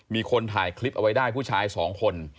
มีคนถ่ายคลิปเอาไว้ได้ผู้ชายสองคน